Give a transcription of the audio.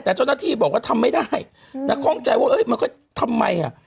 แต่เจ้าหน้าที่บอกว่าทำไม่ได้นะข้องใจว่าเอ้ยมันก็ทำไมอ่ะ